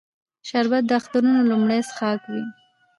شربت د اخترونو لومړنی څښاک وي